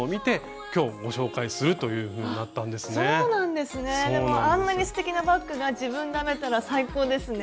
でもあんなにすてきなバッグが自分で編めたら最高ですね。